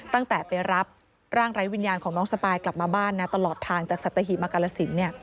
ตั้งแต่ไปรับร่างไร้วิญญาณของน้องสปายกลับมาบ้านนะตลอดทางจากสัตหีบมากาลสิน